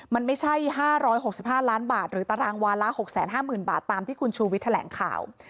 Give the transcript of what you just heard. มันไม่ใช่๕๖๕ล้านบาทหรือตารางวาระ๖๕๐๐๐บาทตามที่คุณชูวิทย์แถลงข่าว